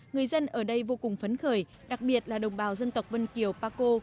người dân ở đây vô cùng phấn khởi đặc biệt là đồng bào dân tộc vân kiều paco